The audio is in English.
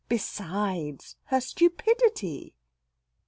Besides, her stupidity!